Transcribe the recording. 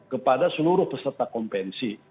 kepada seluruh peserta konvensi